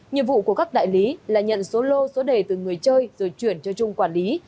nhiệm vụ của các đại lý là nhận số lô số đề từ người chơi rồi chuyển cho trung quản lý